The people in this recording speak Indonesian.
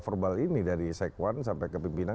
verbal ini dari sekwan sampai ke pimpinan